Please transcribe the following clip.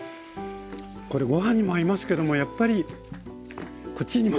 これごはんにも合いますけどもやっぱりこっちにも。